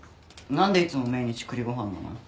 何でいつも命日栗ご飯なの？